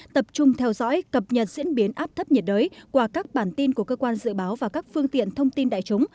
tập trung theo dõi cập nhật diễn biến áp thấp nhiệt đới qua các bản tin của cơ quan dự báo và các phương tiện thông tin đại chúng